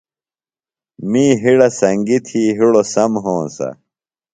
می ہِڑہ سنگیۡ تھی ہڑوۡ سم ہونسہ۔